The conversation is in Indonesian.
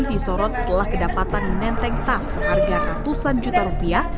disorot setelah kedapatan menenteng tas seharga ratusan juta rupiah